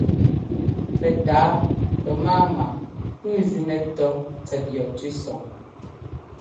Pɛtǎa pɛmáama pʉ́ʉ zínɛ́ tɔ́ tsɛt yɔ tʉ́sɔŋ.